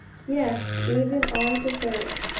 Yes, even our 'desert'!